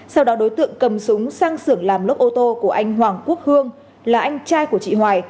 sau đó đối tượng cầm súng sang sưởng làm lốp ô tô của anh hoàng quốc hương là anh trai của chị hoài